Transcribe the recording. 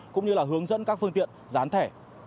cũng như là hướng dẫn các phương tiện dán thẻ